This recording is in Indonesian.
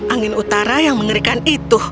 angin utara yang mengerikan itu